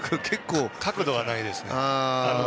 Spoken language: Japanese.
角度はないですね。